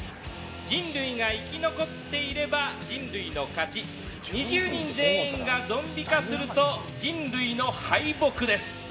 人類が生き残っていれば人類の勝ち２０人全員がゾンビ化すると人類の敗北です。